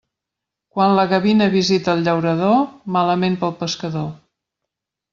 Quan la gavina visita el llaurador, malament pel pescador.